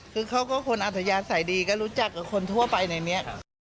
คือเขาก็คนอัธยาศัยดีก็รู้จักกับคนทั่วไปในนี้